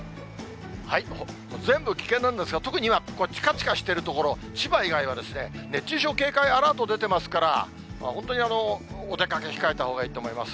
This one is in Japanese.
全部危険なんですが、特には、ちかちかしている所、千葉以外は熱中症警戒アラート出てますから、本当にお出かけ、控えたほうがいいと思います。